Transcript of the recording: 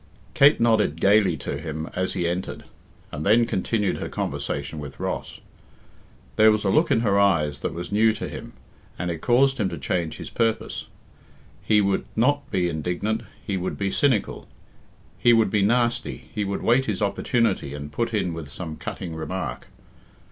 Kate nodded gaily to him as he entered, and then continued her conversation with Ross. There was a look in her eyes that was new to him, and it caused him to change his purpose. He would not be indignant, he would be cynical, he would be nasty, he would wait his opportunity and put in with some cutting remark.